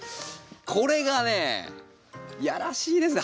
これがねやらしいですね。